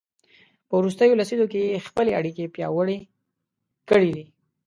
په وروستیو لسیزو کې یې خپلې اړیکې پیاوړې کړي دي.